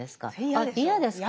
あっ嫌ですか？